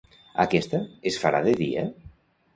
Aquesta, es farà de dia?